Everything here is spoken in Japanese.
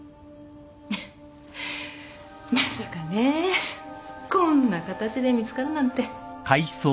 まさかねこんな形で見つかるなんて。